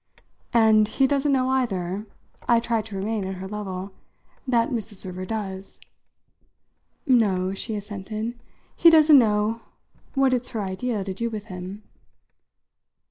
"And he doesn't know, either" I tried to remain at her level "that Mrs. Server does." "No," she assented, "he doesn't know what it's her idea to do with him."